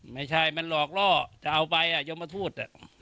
ไม่ใช่มันหลอกล่อจะเอาไปยมทูต